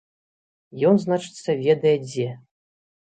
Ён, значыцца, ведае дзе.